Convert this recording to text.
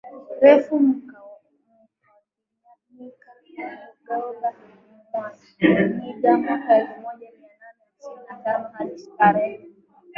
refu Mkwavinyika Munyigumba Mwamuyinga mwaka elfu moja mia nane hamsini na tano hadi tarehe